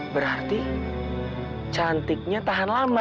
berarti cantiknya tahan lama